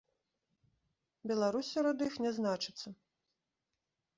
Беларусь сярод іх не значыцца.